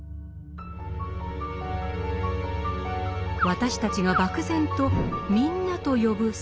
私たちが漠然と「みんな」と呼ぶ世人。